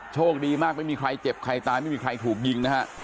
โชคดีมากไม่มีใครเจ็บใครตายไม่มีใครถูกยิงนะฮะ